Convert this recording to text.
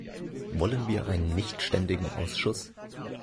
Wollen wir einen nichtständigen Ausschuss?